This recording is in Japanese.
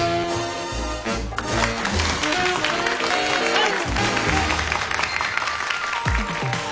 はい！